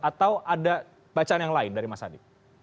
atau ada bacaan yang lain dari mas adi